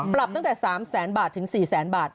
ปรับตั้งแต่๓แสนบาทถึง๔แสนบาท